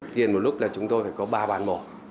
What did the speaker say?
tiền một lúc là chúng tôi phải có ba bàn mổ